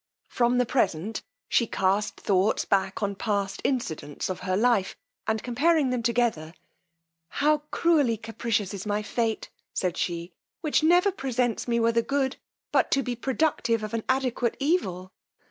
From the present, she cast thoughts back on the past accidents of her life, and comparing them together, how cruelly capricious is my fate, said she, which never presents me with a good but to be productive of an adequate evil!